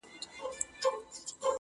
په توره شپه به په لاسونو کي ډېوې و باسو،